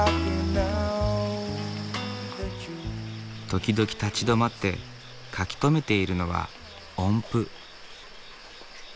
時々立ち止まって書き留めているのは音符。